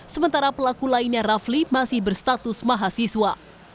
sementara pelaku lainnya rafli masih berstatus mahasiswa